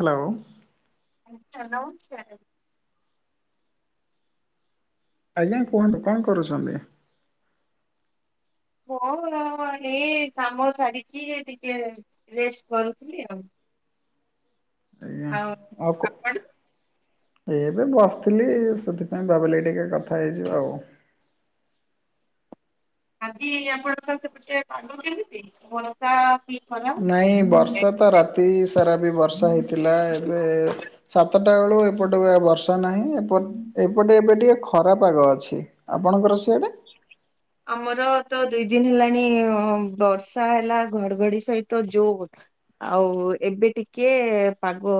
Hello ଆଜ୍ଞା ନମସ୍କାର୍। ଆଜ୍ଞା କୁହନ୍ତୁ କଣ କରୁଚନ୍ତି? ମୁଁ ଏଇ କାମ ସାରିକି ଟିକେ ରେଷ୍ଟ୍ କରୁଥିଲି ଆଉ। ଆଜ୍ଞା ଆଉ କ ଆପଣ? ଏଇ ଏବେ ବସିଥିଲି ସେଥିପାଇଁ ଭାବିଲି ଟିକେ କଥା ହେଇଯିବା ଆଉ। ଆଜି ଆପଣଙ୍କର ସେପଟେ ପାଗ କେମିତି ବର୍ଷା କି ଖରା ନାଇଁ ହଉଛି? ବର୍ଷାତ ରାତି ସାରା ବି ବର୍ଷା ହେଇଥିଲା ଏବେ ସାତଟା ବେଳୁ ଏପଟେ ବି ଆଉ ବର୍ଷା ନାହିଁ ଏ ଏପଟ-ଏପଟେ ଏବେ ଟିକେ ଖ ଖରା ପାଗ ଅଛି ଆପଣଙ୍କର ସିଆଡ଼େ? ଆମର ତ ଦୁଇ ଦିନି ହେଲାଣି ବର୍ଷା ହେଲା ଘଡ଼ଘଡ଼ି ସହିତ ଯୋର୍। ଆଉ ଏବେ ଟିକେ ପାଗ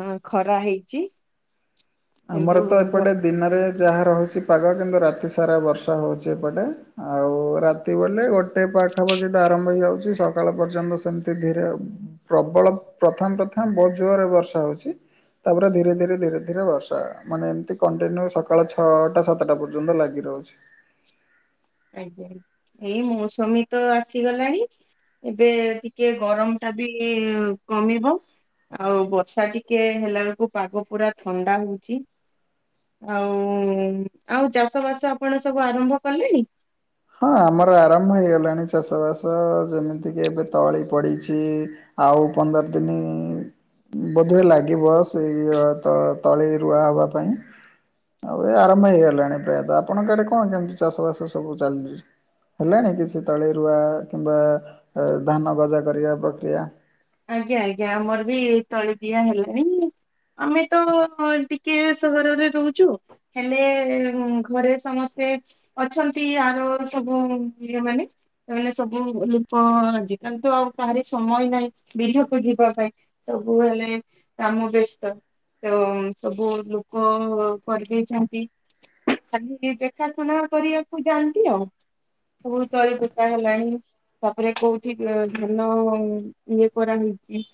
ହଁ ଖରା ହେଇଚି। ଆମର ତ ଏପଟେ ଦିନରେ ଯାହା ରହୁଚି ପାଗ କିନ୍ତୁ ରାତି ସାରା ବର୍ଷା ହଉଚି ଏପଟେ। ଆଉ ରାତି ବୋଲେ ଗୋଟେ ପାଖାପାଖି ଟୁ ଆରମ୍ଭ ହେଇଯାଉଚି ସକାଳ ପର୍ଯ୍ୟନ୍ତ ସେମିତି ଧୀରେ ଆଉ। ପ୍ରବଳ ପ୍ରଥମ ପ୍ରଥମ ବହୁତ୍ ଜୋରରେ ବର୍ଷା ହଉଚି ତାପରେ ଧୀରେ ଧୀରେ ଧୀରେ ଧୀରେ ବର୍ଷା ଟା ମାନେ ଏମିତି କଣ୍ଟିନ୍ୟୁ ସକାଳ ଛଅଟା ସାତଟା ପର୍ଯ୍ୟନ୍ତ ଲାଗି ରହୁଚି। ଆଜ୍ଞା ଏଇ ମୌସମୀ ତ ଆସିଗଲାଣି ଏବେ ଟିକେ ଗରମ୍ ଟା ବି କମିବ। ଆଉ ବର୍ଷା ଟିକେ ହେଲା ବେଳକୁ ପାଗ ପୁରା ଥଣ୍ଡା ହଉଚି। ଆଉ ଆଉ ଚାଷବାସ ଆପଣ ସବୁ ଆରମ୍ଭ କଲେଣି? ହଁ ଆମର ଆରମ୍ଭ ହେଇ ଗଲାଣି ଚାଷବାସ ଯେମିତିକି ଏବେ ତଳି ପଡିଛି। ଆଉ ପନ୍ଦର ଦିନି ବୋଧେ ଲାଗିବ ସେଇ ଅ ତ-ତଳି ରୁଆ ହବା ପାଇଁ। ଆଉ ଏ ଆରମ୍ଭ ହେଇଗଲାଣି ପ୍ରାୟତଃ ଆପଣଙ୍କ ଆଡେ କଣ କେମିତି ଚାଷ ବାସ ସବୁ ଚାଲିଛି? ହେଲେଣି କିଛି ତଳି ରୁଆ କିମ୍ବା ଧାନ ଗଜା କରିବା ପ୍ରକ୍ରିୟା? ଆଜ୍ଞା ଆଜ୍ଞା ଆମର ବି ତଳି ଦିଆ ହେଲାଣି। ଆମେ ତ ଟିକେ ସହରରେ ରହୁଛୁ। ହେଲେ ଘରେ ସମସ୍ତେ ଅଛନ୍ତି ଆର ସବୁ ଇଏ ମାନେ ସେତବେଳେ ସବୁ ଲୋକ ଆଜିକାଲି ତ ଆଉ କାହାରି ସମୟ ହିଁ ନାହିଁ। ବିଲକୁ ଯିବା ପାଇଁ ସବୁ ହେଲେ କାମ ବ୍ୟସ୍ତ ତ ସବୁ ଲୋକ କରିଦେଇଛନ୍ତି। ଖାଲି ଦେଖା ଶୁଣା କରିଆକୁ ଯାଆନ୍ତି ଆଉ। କୋଉ ତଳି ପୋତା ହେଲାଣି ତାପରେ କୋଉଠି ଧାନ ଇଏ କରା ହେଇଛି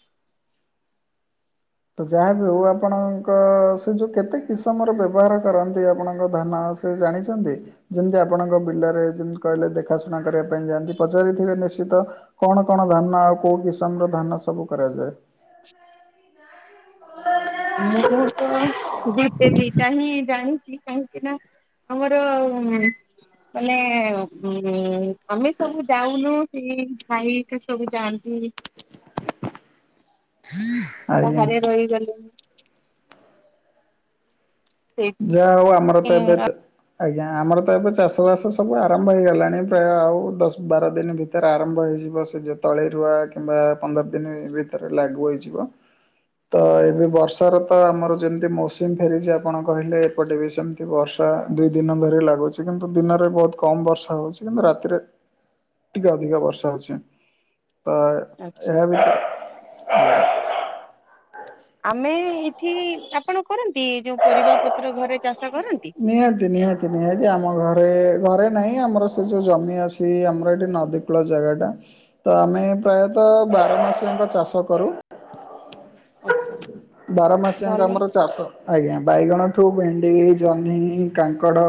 ତ ଯାହାବିି ହେଉ ଆପଣଙ୍କ ସେ ଯୋଉ କେତେ କିସମର ବ୍ୟବହାର କରନ୍ତି ଆପଣଙ୍କ ଧାନ ତ ଜାଣିଛନ୍ତି? ଯେମିତି ଆପଣଙ୍କ ବିଲରେ ଯେମିତି କହିଲେ ଦେଖାଶୁଣା କରିବା ପାଇଁ ଯାଆନ୍ତି ପଚାରିଥିବେ ନିଶ୍ଚିତ? କଣ କଣ ଧାନ ଆଉ କୋଉ କିସମର ଧାନ ସବୁ କରାଯାଏ? ମୁଁ ତ ଗୋଟେ ଦିଟା ହିଁ ଜାଣିଛି କାହିଁକିନା ଆମର ମାନେ ଆମେ ସବୁ ଯାଇନୁ ଟି ଭାଇ ହେରିକା ସବୁ ଯାଆନ୍ତି। ଆଜ୍ଞା। ବାହାରେ ରହିଗଲୁ। ଯାହା ହଉ ଆମର ତ ଏବେ ସେଇଥିପାଇଁ ଚା ଆଜ୍ଞା ଆମର ତ ଏବେ ଚାଷବାସ ସବୁ ଆରମ୍ଭ ହେଇଗଲାଣି। ପ୍ରାୟ ଆଉ ଦଶ ବାର ଦିନ ଭି ଭିତରେ ଆରମ୍ଭ ହେଇଯିବ। ସେ ଯୋ ତଳେ ରୁଆ କିମ୍ବା ପନ୍ଦର ଦିନ ଭିତରେ ଲାଗୁ ହେଇଯିବ। ତ ଏବେ ବର୍ଷାର ତ ଆମର ଯେମିତି ମୌସୁମୀ ଫେରିଛି ଆପଣ କହିଲେ ଏପଟେ ବି ସେମିତି ବର୍ଷା ଦୁଇ ଦିନ ଧରି ଲାଗୁଛି କିନ୍ତୁ ଦିନରେ ବହୁତ୍ କମ୍ ବର୍ଷା ହଉଛି। କିନ୍ତୁ ରାତିରେ ଟିକେ ଅଧିକା ବର୍ଷା ହଉଛି। ତ ଆଚ୍ଛା ଏହା ବି ଆମେ ଏଠି ଆପଣ କରନ୍ତି ଯୋଉ ପରିବା ପତ୍ର ଘରେ ଚାଷ କରନ୍ତି? ନିହାତି ନିହାତି ନିହାତି ଆମ ଘରେ ଘରେ ନାହିଁ ଆମର ସେ ଯେଉଁ ଜମି ଅଛି ଆମର ଏଠି ନଦୀ କୂଳ ଜାଗାଟା ତ ଆମେ ପ୍ରାୟତଃ ବାରମାସିଙ୍କ ଚାଷ କରୁ। ଆଚ୍ଛା ବାର ମାସ ଯାଏଙ୍କ ଭଲ। ଆମର ଚାଷ ଆଜ୍ଞା ବାଇଗଣ ଠୁ ଭେଣ୍ଡି ଜହ୍ନି, କାଙ୍କଡ଼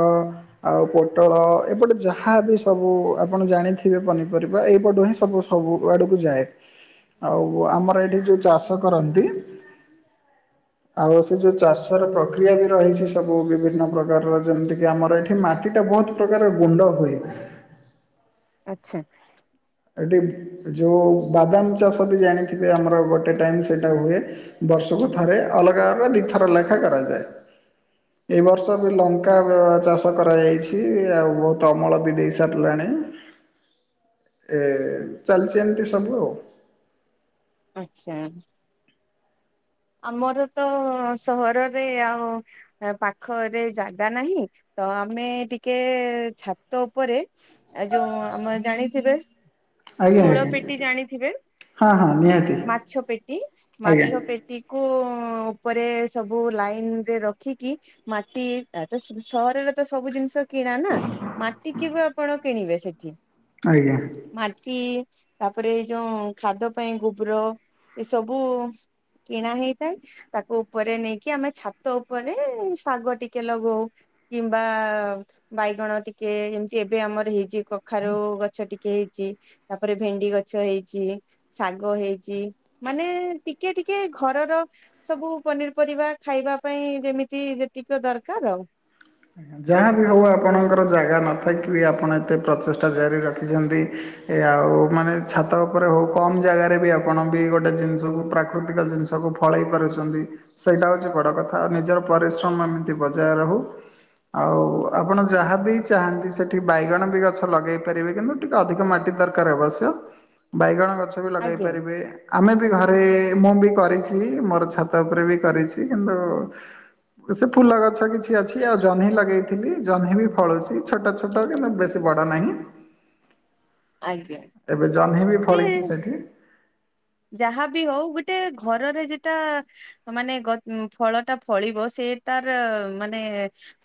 ଆଉ ପୋଟଳ ଏପଟେ ଯାହାବି ସବୁ ଆପଣ ଜାଣିଥିବେ ପନିପରିବା ଏଇପଟୁ ହିଁ ସବୁ ସବୁ ଆଡ଼କୁ ଯାଏ, ଆଉ ଆମର ଏଠି ଯେଉଁ ଚାଷ କରନ୍ତି ଆଉ ସେ ଯୋଉ ଚାଷର ପ୍ରକ୍ରିୟା ବି ରହିଛି ସ ବୁ ବିଭିନ୍ନ ପ୍ରକାରର ଯେମିତିକି ଆମର ଏଠି ମାଟିଟା ବହୁତ୍ ପ୍ରକାର ଗୁଣ୍ଡ ହୁଏ। ଆଚ୍ଛା। ଏଠି ଯୋଉ ବାଦାମ ଚାଷବି ଜାଣିଥିବେ ଆମର ଗୋଟେ ଟାଇମ୍ ସେଇଟା ହୁଏ। ବର୍ଷକୁ ଥରେ ଅଲଗା ଅଲଗା ଦିଥର ଲେଖା କରାଯାଏ। ଏବର୍ଷ ବି ଲଙ୍କା ଚାଷ କରାଯାଇଛି ଆଉ ବହୁତ ଅମଳ ବି ଦେଇ ସାରିଲାଣି। ଏ ଚାଲିଛି ଏମିତି ସବୁ ଆଉ। ଆଚ୍ଛା। ଆମର ତ ସହରରେ ଆଉ ପାଖରେ ଜାଗା ନାହିଁ ତ ଆମେ ଟିକେ ଛାତ ଉପରେ ଏ ଯୋଉ ଆମ ର ଜାଣିଥିବେ। ଆଜ୍ଞା ଷୋଳ ଆଜ୍ଞା। ପେଟି ଜାଣିଥିବେ। ହଁ ହଁ ନିହାତି ମାଛ ପେଟି ଆଜ୍ଞା ମାଛ ପେଟି। ଟି କୁ ଉପରେ ସବୁ ଲାଇନି ରେ ରଖିକି। ମାଟି ଆ ତାଦ ସହରରେ ତ ସବୁ ଜିନିଷ କିଣା ନାଁ। ମାଟି କି ବେ ଆପଣ କିଣିବେ ସେଠି? ଆଜ୍ଞା। ମାଟି ତାପରେ ଏଇ ଯୋଉ ଖାଦ ପାଇଁ ଗୋବର ଏ ସବୁ କିଣା ହେଇଥାଏ। ତାକୁ ଉପରେ ନେଇକି ଆମେ ଛାତ ଉପରେ ଶାଗ ଟିକେ ଲଗଉ। କିମ୍ବା। ବାଇଗଣ ଟିକେ ଏମିତି ଏବେ ଆମର ହେଇଛି କଖାରୁ ଗଛ ଟିକେ ହେଇଛି। ତାପରେ ଭେଣ୍ଡି ଗଛ ହେଇଛି, ଶାଗ ହେଇଛି, ମାନେ ଟି ଟିକେ ଟିକେ ଘରର ସବୁ ପନିରିପରିବା ଖାଇବା ପାଇଁ ଯେମିତି ଯେତିକି ଦରକାର। ଯାହା ବିି ହଉ ଆପଣଙ୍କର ଜାଗା ନଥାଇକି ବି ଆପଣ ଏତେ ପ୍ରଚେଷ୍ଟା ଜାରି ରଖିଛନ୍ତି। ଏ ଆଉ ମାନେ ଛାତ ଉପରେ ହଉ କମ୍ ଜାଗାରେ ବି ଆପଣ ବି ଗୋଟେ ଜିନିଷକୁ ପ୍ରାକୃତିକ ଜିନିଷ ସବୁ ଫଳେଇ ପାରୁଛନ୍ତି। ସେଇଟା ହେଉଛି ବଡ଼ କଥା ଆଉ ନିଜର ପରିଶ୍ରମ ଏମିତି ବଜାୟ ରହୁ। ଆଉ ଆପଣ ଆଉ। ଯାହାବି ଚାହାନ୍ତି ସେଠି ବାଇଗଣ ବି ଗଛ ଲଗେଇ ପାରିବେ କିନ୍ତୁ ଟିକେ ଅଧିକ ମାଟି ଦକାର ଅବଶ୍ୟ। ବାଇଗଣ ଗଛ ବି ଲଗେଇ ଆଜ୍ଞା। ପାରିବେ। ଆମେ ବି ଘରେ ମୁଁ ବି କରିଛି ମୋର ଛାତ ଉପରେ ବି କରିଛି କିନ୍ତୁ ତ ସେ ଫୁଲ ଗଛ କିଛି ଅଛି ଆଉ ଜହ୍ନି ଲଗ ଲଗେଇଥିଲି ଜହ୍ନି ବି ଫଳୁଛି ଛୋଟ ଛୋଟ କିନ୍ତୁ ବେଶୀ ବଡ ନାହିଁ। ଆଜ୍ଞା। ଆଜ୍ଞା ଏବେ ଜହ୍ନି ବି ସେ ଫଳିଛି ସେଠି। ଯାହାବି ହଉ ଗୋଟେ ଘରରେ ଯେଟା ମାନେ ଗଚ ଫଳ ଟା ଫଳିବ ସେ ତାର ମାନେ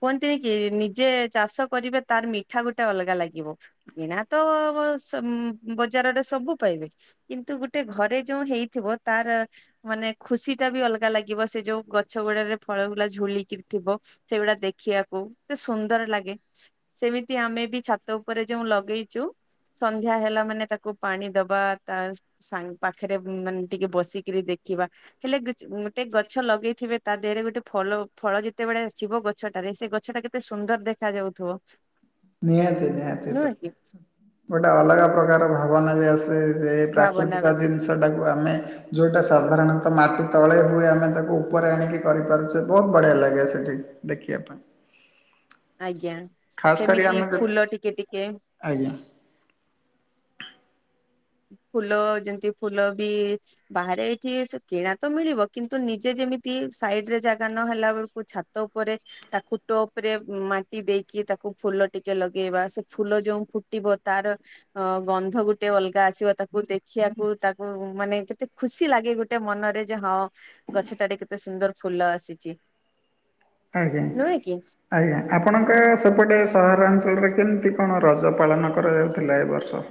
କୁହନ୍ତିନିକି ନିଜେ ଚାଷ କରିବେ ତାର ମିଠା ଗୋଟେ ଅଲଗା ଲାଗିବ। ଏଣା ତ ବସମ୍ ବଜାରରେ ସବୁ ପାଇବେ। କିନ୍ତୁ ଗୋଟେ ଘରେ ଯୋଉ ହେଇଥିବ ତାର ମାନେ ଖୁସି ଟା ବି ଅଲଗା ଲାଗିବ ସେ ଯୋଉ ଗଛ ଗୁଡ଼ାରେ ଫଳଗୁଡ଼ା ରେ ଝୁଲିକି ଥିବ। ସେଇଗୁଡା ଦେଖିବାକୁ ଏତେ ସୁନ୍ଦର ଲାଗେ। ସେମିତି ଆମେ ବି ଛାତ ଉପରେ ଯେଉ ଲଗେଇଚୁ। ସନ୍ଧ୍ୟା ହେଲା ମାନେ ତାକୁ କୁ ପାଣି ଦବା ତା ସାଙ୍ଗ ପାଖରେ ମାନେ ଟିକେ ବସିକିରି ଦେଖିବା। ହେଲେ ଗେ ଗୋଟେ ଗଛ ଲଗେଇଥିବେ ତା ଦେହରେ ଗୋଟେ ଫଲ ଫଳ ଯେତେବେଳେ ଆସିବ ଗଛ ଗଛଟାରେ ସେ ଗଛ ଟା କେତେ ସୁନ୍ଦର ଦେଖା ଯାଉଥିବ। ନିହାତି ନିହାତି ନୁହେଁ ଗୋଟେ। କି ଗୋଟେ ଅଲଗା ପ୍ରକାର ଭାବନା ବି ଆସେ। ଯେ ଭାବନା ପ୍ରାକୃତିକ ଜିନିଷଟାକୁ ଆମେ ଯଉଁଟା ସାଧାରଣତଃ ମାଟି ତଳେ ହୁଏ ଆମେ ତାକୁ ଉପରେ ଆଣିକି କରିପାରୁଛେ ବହୁତୁ ବଢ଼ିଆ ଲାଗେ ସେଠି। ଦେଖିବା ପାଇଁ। ଆଜ୍ଞା। ଖାସ୍ କରି ସେମିତି ଆମେ ଯେତେ। ଫୁଲ ଟିକେ ଟିକେ ଆଜ୍ଞା। ଫୁଲ ଯେମିତି ଫୁଲ ବି ବାହାରେ ଏଠି ସେ କିଣା ତ ମିଳିବ କିନ୍ତୁ ନିଜେ ଯେମିତି ସାଇଡି ରେ ଜାଗା ନ ହେଲା ବେଳକୁ ଛାତ। ତ ଉପରେ ତାକୁ ଟପ ରେ ମାଟି ଦେଇକି ତାକୁ ଫୁଲ ଟିକେ ଲଗେଇବା ସେ ଫୁଲ ଯୋଉ ଫୁଟିବ ତାର ଅ ଗନ୍ଧ ଗୋଟେ ଅଲ ଗା ଆସିବ ତାକୁ ଦେଖିବାକୁ ତାକୁ ମାନେ କେତେ ଖୁସି ଲାଗେ ଗୋଟେ ମନରେ ଯେ ହଁ ଗଛଟାରେ କେତେ ସୁନ୍ଦର ଫୁଲ ଆସିଛି। ଆଜ୍ଞା। ନୁହେଁ କି? ଆଜ୍ଞା ଆପଣଙ୍କ ସେପଟେ ସହରାଞ୍ଚଳରେ କେମିତି କଣ ରଜ ପାଳନ କରାଯାଉଥିଲା ଏ ବର୍ଷ?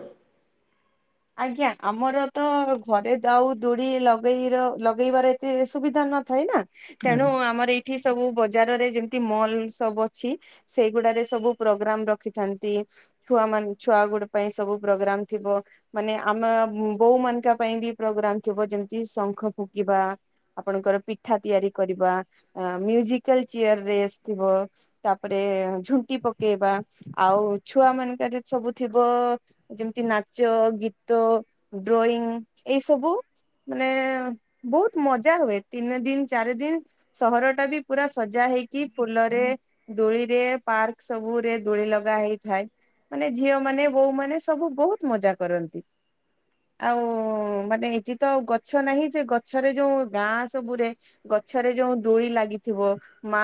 ଆଜ୍ଞା ଆମର ତ ଘରେ ଆଉ ଦୋଳି ଲଗେଇର ଲଗେଇବାର ଏତେ ସୁବିଧା ନଥାଏ ନା? ତେଣୁ ଆଜ୍ଞା ଆମର ଏଇଠି ସବୁ ବଜାରରେ ଯେମିତି ମଲ ସବୁ ଅଛି। ସେଇଗୁଡାରେ ସବୁ ପ୍ରୋଗ୍ରାମ ରଖିଥାନ୍ତି। ଛୁଆ ମାନେ ଛୁଆ ଗୁଡା ପାଇଁ ସବୁ ପ୍ରୋଗ୍ରାମ ଥିବ। ମାନେ ଆମେ ବୋଉ ମାନଙ୍କ ପାଇଁ ବି ପ୍ରୋଗ୍ରାମ ଥିବ ଯେମିତି ଶଙ୍ଖ ଫୁଙ୍ଖିବା। ଆପଣଙ୍କର ପିଠା ତିଆରି କରିବା। ଆ ମ୍ୟୁଜିକାଲ ଚେୟାର ରେସ୍ ଥିବ। ତାପରେ ଝୁଣ୍ଟି ପକେଇବା ଆଉ ଛୁଆ ମାନଙ୍କରେ ସବୁ ଥିବ ଯେମିତି ନାଚ ଗୀତ ଡ୍ରଇଂ ଏଇ ସବୁ ମାନେ ବହୁତ ମଜା ହୁଏ ତିନି ଦିନ ଚାରି ଦିନ ସହର ଟା ବି ପୁରା ସଜା ହେଇକି ଫୁଲରେ ଦୋଳିରେ ପାର୍କ ସବୁରେ ଦୋଳି ଲଗା ହେଇଥାଏ। ମାନେ ଝିଅ ମାନେ ବୋଉ ମାନେ ସବୁ ବହୁତ ମଜା କରନ୍ତି। ଆଉ ମାନେ ଏଠି ତ ଆଉ ଗଛ ନାହିଁ ସେ ଗଛରେ ଯୋଉ ଗାଁ ସବୁରେ ଗଛରେ ଯୋଉ ଦୁଳି ଲାଗିଥିବ। ମା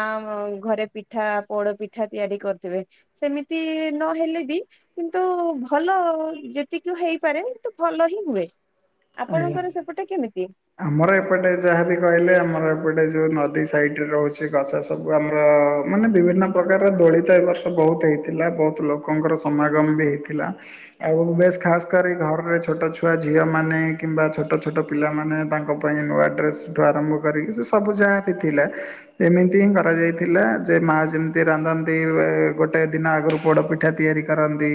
ଘରେ ପିଠା ପୋଡ ପିଠା ତିଆରି କରିଥିବେ। ସେମିତି ନହେଲେ ବି କିନ୍ତୁ ଭଲ ଯେତିକି ହେଇ ପାରେ କିନ୍ତୁ ଭଲ ହିଁ ହୁଏ ଆଜ୍ଞା ଆପଣଙ୍କର ସେପଟା କେମିତି? ଆମର ଏପଟେ ଯାହାବି କହିଲେ ଆମର ଏପଟେ ଯୋଉ ନଦୀ ସାଇଡରେ ରହୁଛି ଗଛ ସବୁ ଆମର ମାନେ ବିଭିନ୍ନ ପ୍ରକାରର ଦୋଳିତ ଏ ବର୍ଷ ବହୁତ ହେଇଥିଲା। ବହୁତ ଲୋ ଲୋକଙ୍କର ସମାଗମ ବି ହେଇଥିଲା। ଆଉ ବେଶ ଖାସ କରି ଘରରେ ଛୋଟ ଛୁଆ ଝିଅ ମାନେ କିମ୍ବା ଛୋଟ ଛୋଟ ପିଲାମାନେ ତାଙ୍କ ପାଇଁ ନୂଆ ଡ୍ରେସ୍ ଠୁ ଆରମ୍ଭ କରିକି ସେ ସବୁ ଯାହା ବି ଥିଲା। ଏମିତି ହିଁ କରାଯାଇଥିଲା ଯେ ମାଆ ଯେମିତି ରାନ୍ଧନ୍ତି ଏ ଗୋଟେ ଦିନ ଆଗରୁ ପୋଡପି ଠା ତିଆରି କରନ୍ତି।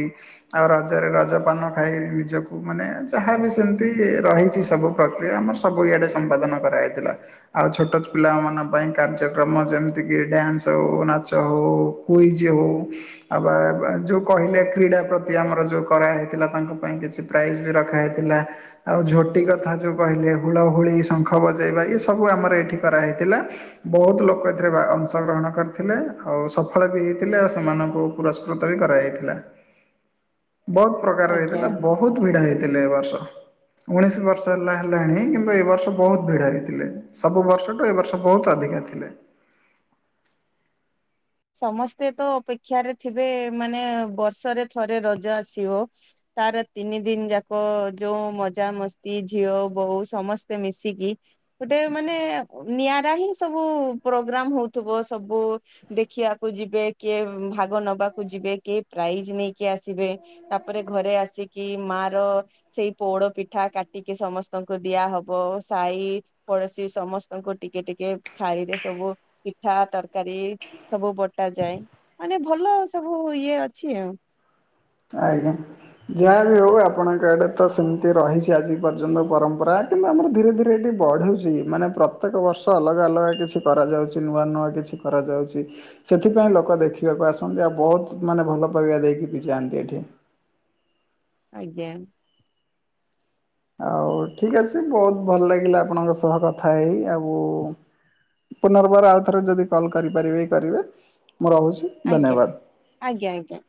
ଆଉ ରଜରେ ରଜପାନ ଖାଇ ନିଜକୁ ମାନେ ଯାହାବି ସେମିତି ରହିଛି ସବୁ ପ୍ରକ୍ରିୟା ଆମର ସ ସବୁ ଇଆଡେ ସମ୍ପାଦନ କରାଯାଇଥିଲା। ଆଉ ଛୋଟ ପିଲାମାନଙ୍କ ପାଇଁ କାର୍ଯ୍ୟକ୍ରମ ଯେମିତିକି ଡ୍ୟାନ୍ସ ହଉ ନାଚ ହଉ କୁଇଜି ହଉ ଆଉ ବା ଯୋଉ କହିଲେ କ୍ରୀଡ଼ା ପ୍ରତି ଆମର ଯୋଉ କରା ହେଇଥିଲା ତାଙ୍କ ପାଇଁ କିଛି ପ୍ରାଇଜ ବି ରଖାଯାଇଥିଲା ଆଉ ଝୋଟି କଥା ଯୋଉ କହିଲେ ହୁଳହୁଳି ଶଙ୍ଖ ବଜାଇବା ଏସବୁ ଆମର ଏଇଠି କରାହେଇଥିଲା। ବହୁତ ଲୋକ ଏଥିରେ ଭା ଅଂଶଗ୍ରହଣ କରିଥିଲେ ଆଉ ସଫଳ ବି ହେଇଥିଲେ। ଆଉ ସେମାନଙ୍କୁ ପୁରସ୍କୃତ ବି କରାଯାଇଥିଲା ବହୁତ ପ୍ରକାର ଆଜ୍ଞା। ହେଇଥିଲା ବହୁତ ଭିଡ ହେଇଥିଲା ଏ ବର୍ଷ। ଉଣେଇଶ ବର୍ଷ ହେଲା ହେଲାଣି କିନ୍ତୁ ଏ ବର୍ଷ ବହୁତ ଭିଡ ହେଇଥିଲେ ସବୁ ବର୍ଷଠୁ ଏ ବର୍ଷ ବହୁତ ଅଧିକା ଥିଲେ। ସମସ୍ତେ ତ ଅପେକ୍ଷାରେ ଥିବେ ମାନେ ବର୍ଷରେ ଥରେ ରଜ ଆସିବ। ତାର ତିନି ଦିନ ଯାକ ଯୋଉ ମଜା ମସ୍ତି ଝିଅ ବୋହୁଁ ସମସ୍ତେ ମିଶିକି ଗୋଟେ ମାନେ ନିଆରା ହିଁ ସବୁ ପ୍ରୋଗ୍ରାମ ହଉଥିବ ସବୁ ଦେ ଖିଆକୁ ଯିବେ, କିଏ ଉଁ, ଭାଗ ନବାକୁ ଯିବେ। କିଏ ପ୍ରାଇଜି ନେଇକି ଆସିବେ। ତାପରେ ଘରେ ଆସିକି ମା ର ସେଇ ପୋଡ ପିଠା କାଟିକି ସମସ୍ତଙ୍କୁ ଦିଆ ହବ। ସାଇ ପଡୋଶୀ ସମସ୍ତଙ୍କୁ ଟିକେ ଟିକେ ଥାଳିରେ ସବୁ ପିଠା ତରକାରୀ ସବୁ ବଟାଯାଏ ମାନେ ଭଲ ସବୁ ଇଏ ଅଛି ଆଉ। ଆଜ୍ଞା, ଯାହା ବିି ହେଉ ଆପଣଙ୍କ ଆଡ଼େ ତ ସେମିତି ରହିଛି ଆଜି ପର୍ଯ୍ୟନ୍ତ ପରମ୍ପରା। କିନ୍ତୁ ଆମର ଧୀରେ ଧୀରେ ଏଠି ବଢ଼ୁଛି ମାନେ ପ୍ରତ୍ୟେକ ବର୍ଷ ଅଲଗା ଅଲଗା କିଛି କରାଯାଉଛି ନୂଆ ନୂଆ କିଛି। କରାଯାଉଚି, ସେଥିପାଇଁ ଲୋକ ଦେଖିବାକୁ ଆସନ୍ତି। ଆଉ ବହୁତ ମାନେ ଭଲ ପାଇବା ଦେଇକି ବି ଯାଆନ୍ତି ଏଠି। ଠି। ଆଜ୍ଞା। ଆଉ ଠିକ ଅଛି ବହୁତ ଭଲ ଲାଗିଲା ଆପଣଙ୍କ ସହ କଥା ହେଇ। ଆଉ ପୁନର୍ବାର ଆଉଥରେ ଯଦି କଲ୍ କରିପାରିବେ କରିବେ ମୁଁ ରହୁଛି। ଆଜ୍ଞା, ଧନ୍ୟବାଦ। ଆଜ୍ଞା, ଆଜ୍ଞା।